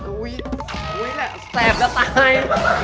อุ๊ยแสบแล้วตาย